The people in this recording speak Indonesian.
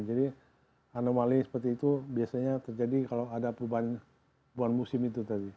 jadi anomali seperti itu biasanya terjadi kalau ada perubahan musim itu tadi